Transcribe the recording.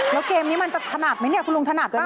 แล้วเกมนี้มันจะถนัดไหมเนี่ยคุณลุงถนัดป่